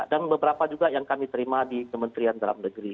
dan beberapa juga yang kami terima di kementerian dan lembaga